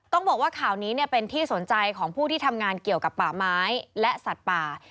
ต้องบอกว่าข่าวนี้เป็นที่สนใจของผู้ที่ทำงานเกี่ยวกับป่าไม้และสัตว์ป่า